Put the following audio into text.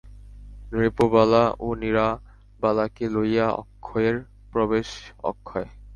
নৃপবালা ও নীরবালাকে লইয়া অক্ষয়ের প্রবেশ অক্ষয়।